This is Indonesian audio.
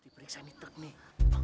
periksaan di truk nih